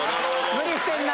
無理してんな。